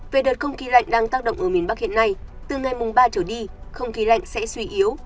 về đợt không khí lạnh đang tác động ở miền bắc hiện nay từ ngày mùng ba trở đi không khí lạnh sẽ suy yếu